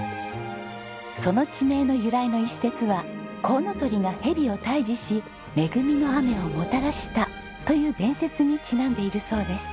その地名の由来の一説はコウノトリが蛇を退治し恵みの雨をもたらしたという伝説にちなんでいるそうです。